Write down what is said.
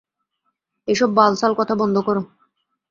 এসব বাল-ছাল কথা বন্ধ করো।